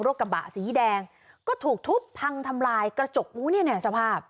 กระบะสีแดงก็ถูกทุบพังทำลายกระจกหูเนี่ยสภาพ